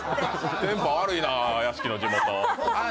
電波悪いな、屋敷の地元。